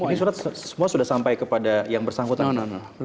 ini surat semua sudah sampai kepada yang bersangkutan